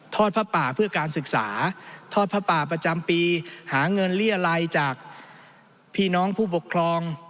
ผ้าป่าเพื่อการศึกษาทอดผ้าป่าประจำปีหาเงินเรียลัยจากพี่น้องผู้ปกครอง